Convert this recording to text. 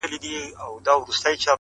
په درد آباد کي، ویر د جانان دی~